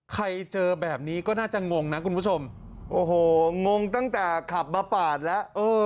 ใครเจอแบบนี้ก็น่าจะงงนะคุณผู้ชมโอ้โหงงตั้งแต่ขับมาปาดแล้ว